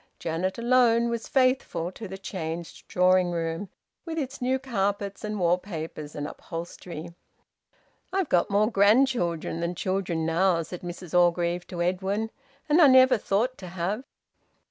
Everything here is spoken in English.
Janet alone was faithful to the changed drawing room, with its new carpets and wall papers and upholstery. "I've got more grandchildren than children now," said Mrs Orgreave to Edwin, "and I never thought to have!"